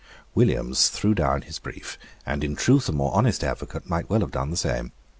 Williams threw down his brief; and, in truth, a more honest advocate might well have done the same.